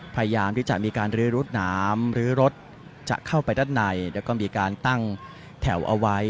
พยายามที่จะมีการลื้อรถหนามลื้อรถจะเข้าไปด้านในแล้วก็มีการตั้งแถวเอาไว้